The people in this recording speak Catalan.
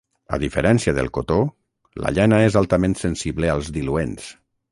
A diferència del cotó, la llana és altament sensible als diluents.